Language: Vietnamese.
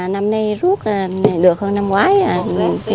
năm nay ruốc được hơn năm ngoái